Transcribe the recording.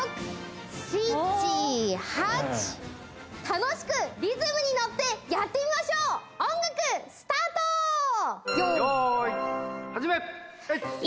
楽しくリズムに乗ってやってみましょうよーいはじめ！